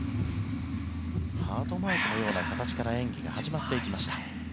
ハートマークのような形から演技が始まっていきました。